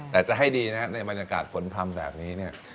แต่จะให้ดีนะในภรรยากาศฝนพรรมแบบนี้เนี่ย